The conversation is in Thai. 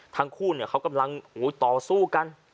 ทั้งคู่เขากำลังต่อสู้กัน